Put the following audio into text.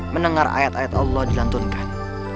mendengar ayat ayat allah dilantunkan